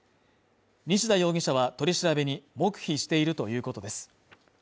西田容疑者は取り調べに黙秘しているということです。